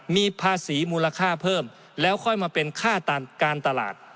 มีภาษีมูลค่าเพิ่มแล้วค่อยมาเป็นค่าการตลาด